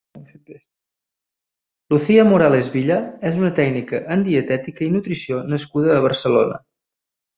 Lucía Morales Villa és una tècnica en Dietètica i Nutrició nascuda a Barcelona.